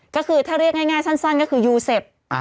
ก็คือถ้าเรียกง่ายสั้นก็คือยูเซฟ